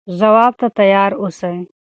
ځواب ته تیار اوسئ.